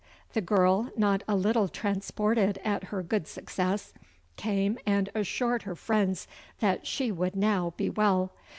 The girl, not a little transported at her good success, came and assured her friends that she would now be well.